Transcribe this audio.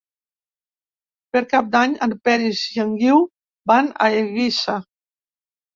Per Cap d'Any en Peris i en Guiu van a Eivissa.